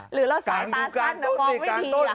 หรือเราสายตาสั้นมองไม่ดีล่ะ